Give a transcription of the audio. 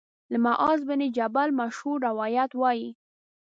له معاذ بن جبل مشهور روایت وايي